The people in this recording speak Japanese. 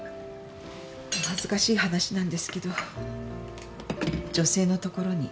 お恥ずかしい話なんですけど女性のところに。